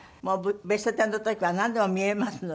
『ベストテン』の時はなんでも見えますので。